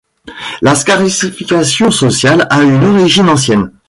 La scarification sociale a une origine ancienne.